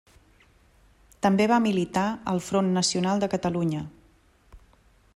També va militar al Front Nacional de Catalunya.